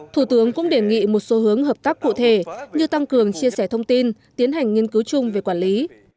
thủ tướng cũng đề nghị một số hướng hợp tác cụ thể như tăng cường chia sẻ thông tin tiến hành nghiên cứu chung về quản lý